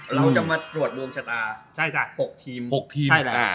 เราจะมาตรวจรวมชะตา๖ทีม